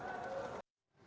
tidak usah ragu ragu